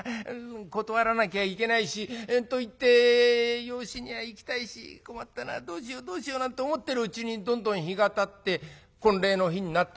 断らなきゃいけないしといって養子には行きたいし困ったなどうしようどうしようなんと思ってるうちにどんどん日がたって婚礼の日になってしまいました。